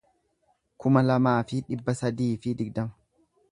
kuma lamaa fi dhibba sadii fi digdama